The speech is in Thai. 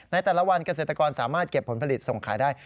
ในแต่ละวันเกษตรกรสามารถเก็บผลผลิตส่งขายได้